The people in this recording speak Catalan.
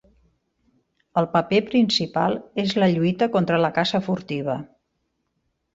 El paper principal és la lluita contra la caça furtiva.